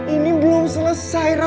ini belum selesai ra